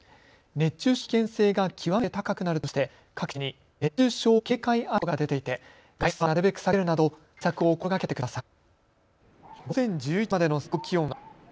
熱中症の危険性が極めて高くなるとして各地に熱中症警戒アラートが出ていて外出はなるべく避けるなど対策を心がけてください。